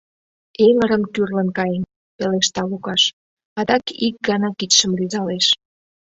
— Эҥырым кӱрлын каен, — пелешта Лукаш, адак ик гана кидшым рӱзалеш.